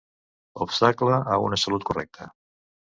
Obstacle a una salut correcta.